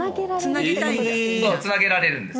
つなげられるんです。